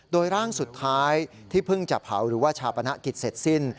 โดยร่างสุดท้ายที่เพิ่งจะเผาหรือว่าชาปนกิจเสร็จสิ้น